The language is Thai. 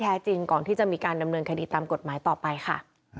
แค่ก็ไม่นั่นแหละครับปกติทำอยู่